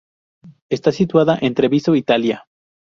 Está situada en Treviso, Italia.